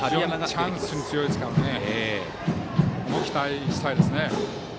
チャンスに強いですからここは期待したいですね。